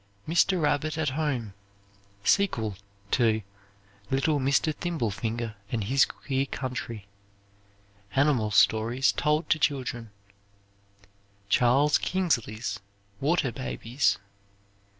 "Mr. Rabbit At Home"; sequel to "Little Mr. Thimblefinger and His Queer Country." Animal stories told to children. Charles Kingsley's "Water Babies."